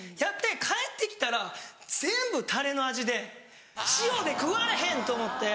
帰って来たら全部タレの味で塩で食われへんと思って。